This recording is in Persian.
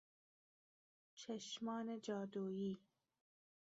چشمان جادویی